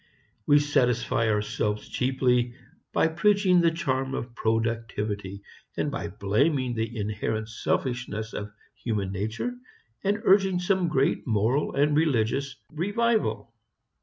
We satisfy ourselves cheaply by preaching the charm of productivity and by blaming the inherent selfishness of human nature, and urging some great moral and religious revival.